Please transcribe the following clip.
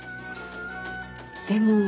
でも。